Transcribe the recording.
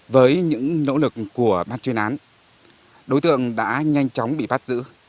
với những nỗ lực của ban chuyên án đối tượng đã nhanh chóng bị bắt giữ